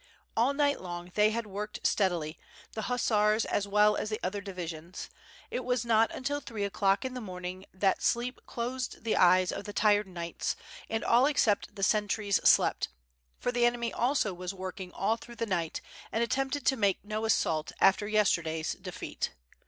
All night long they had worked steadily, the hussars as well as the other divisions; it was not until three o'clock in the morning that sleep closed the eyes of the tired knights, and all except the sentries slept; for the enemy also was working all through the night and attempted to make no assault after yesterday's defeat.